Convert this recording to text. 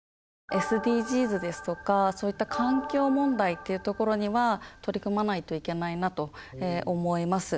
ＳＤＧｓですとかそういった環境問題っていうところには取り組まないといけないなと思います。